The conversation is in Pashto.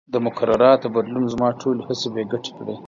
د مقرراتو بدلون زما ټولې هڅې بې ګټې کړې.